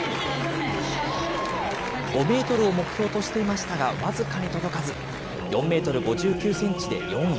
５メートルを目標としていましたが、僅かに届かず、４メートル５９センチで４位。